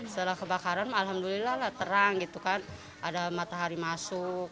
setelah kebakaran alhamdulillah lah terang gitu kan ada matahari masuk